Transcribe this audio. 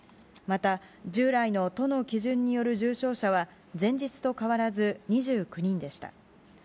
また、従来の都の基準による重症者は前日と変わらず２９人でした。